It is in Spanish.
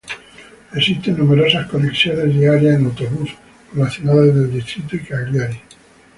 Existen numerosas conexiones diarias en autobús con las ciudades del distrito y Cagliari.